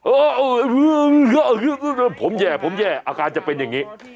ผมแย่ผมแย่อาการจะเป็นอย่างนี้